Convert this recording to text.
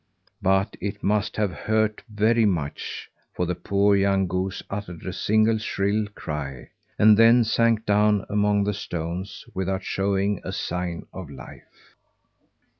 But it must have hurt very much, for the poor young goose uttered a single shrill cry, and then sank down among the stones without showing a sign of life.